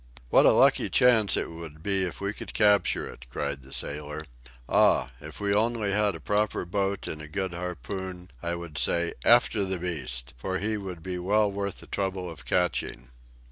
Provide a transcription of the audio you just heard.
"What a lucky chance it would be if we could capture it!" cried the sailor. "Ah! if we only had a proper boat and a good harpoon, I would say 'After the beast,' for he would be well worth the trouble of catching!"